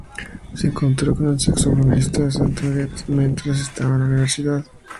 Se encontró con el saxofonista Stan Getz, mientras estaba en la universidad.